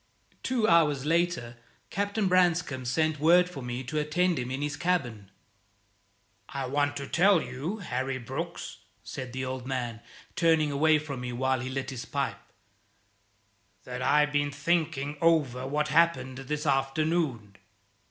Two hours later Captain Branscome sent word for me to attend him in his cabin. "I want to tell you, Harry Brooks," said the old man, turning away from me while he lit his pipe, "that I have been thinking over what happened this afternoon."